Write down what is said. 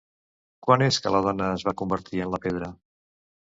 Quan és que la dona es va convertir en la pedra?